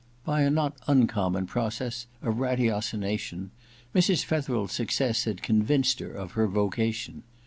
By a not uncommon process of ratiocination, Mrs. Fetherel's success had convinced her of her vocation.